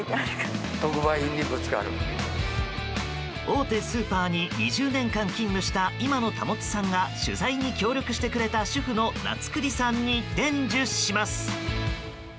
大手スーパーに２０年間勤務した今野保さんが取材に協力してくれた主婦に伝授します。